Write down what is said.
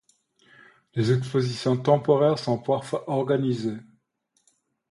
Des expositions temporaires sont parfois organisées.